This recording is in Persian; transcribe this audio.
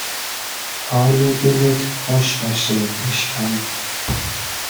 حال دلت خوش باشه عشقم